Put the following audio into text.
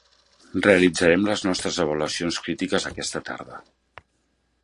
Realitzarem les nostres avaluacions crítiques aquesta tarda.